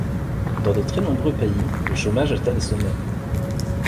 Dans de très nombreux pays, le chômage atteint des sommets.